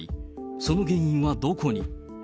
その原因はどこに。